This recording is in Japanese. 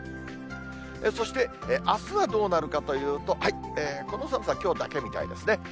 そして、あすはどうなるかというと、この寒さ、きょうだけみたいですね。